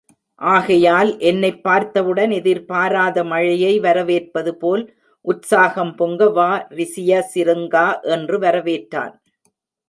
ஆகையால் என்னைப் பார்த்தவுடன் எதிர்பாராத மழையை வரவேற்பதுபோல், உத்ஸாகம் பொங்க வா ரிசியசிருங்கா! என்று வரவேற்றான்.